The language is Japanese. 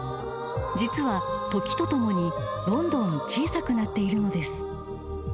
［実は時とともにどんどん小さくなっているのです］